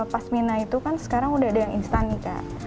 pasmina itu kan sekarang udah ada yang instan nih kak